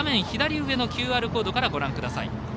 左上のＱＲコードからご覧ください。